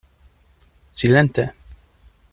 Silente!